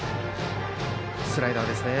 スライダーですね。